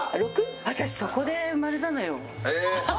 私そこで生まれたのよ。